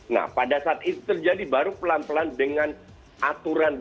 nah pada saat itu terjadi baru pelan pelan dengan aturan